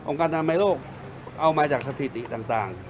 การอนามัยโลกเอามาจากสถิติต่าง